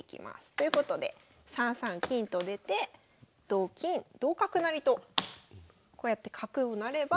ということで３三金と出て同金同角成とこうやって角を成れば。